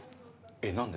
えっ何で？